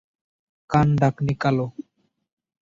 কান-ডাকনি কালো।